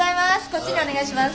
こっちにお願いします。